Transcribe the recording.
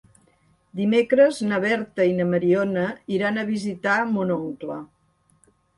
Dimecres na Berta i na Mariona iran a visitar mon oncle.